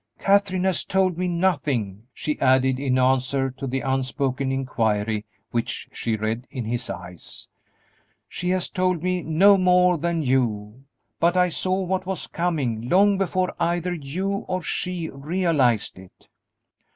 Katherine has told me nothing," she added, in answer to the unspoken inquiry which she read in his eyes; "she has told me no more than you, but I saw what was coming long before either you or she realized it."